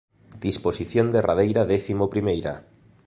Disposición derradeira décimo primeira.